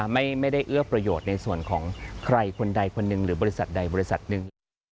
ไม่ได้เอื้อประโยชน์ในส่วนของใครคนใดคนหนึ่งหรือบริษัทใดบริษัทหนึ่ง